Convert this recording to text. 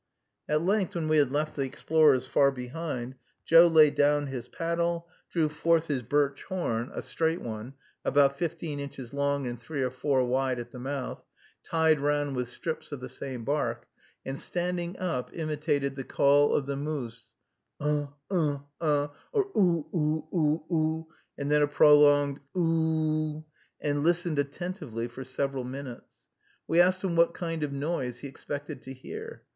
At length, when we had left the explorers far behind, Joe laid down his paddle, drew forth his birch horn, a straight one, about fifteen inches long and three or four wide at the mouth, tied round with strips of the same bark, and, standing up, imitated the call of the moose, ugh ugh ugh, or oo oo oo oo, and then a prolonged oo o o o o o o o, and listened attentively for several minutes. We asked him what kind of noise he expected to hear.